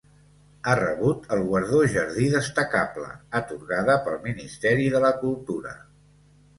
Ha rebut el guardó Jardí destacable, atorgada pel Ministeri de la Cultura.